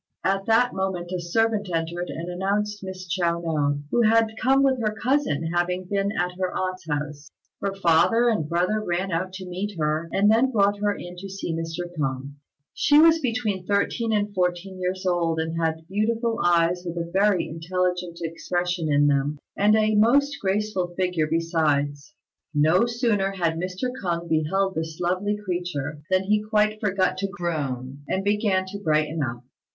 At that moment a servant entered and announced Miss Chiao no, who had come with her cousin, having been at her aunt's house. Her father and brother ran out to meet her, and then brought her in to see Mr. K'ung. She was between thirteen and fourteen years old, and had beautiful eyes with a very intelligent expression in them, and a most graceful figure besides. No sooner had Mr. K'ung beheld this lovely creature than he quite forgot to groan, and began to brighten up.